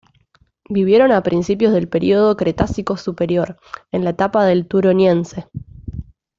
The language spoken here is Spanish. Vivieron a principios del período Cretácico Superior, en la etapa del Turoniense.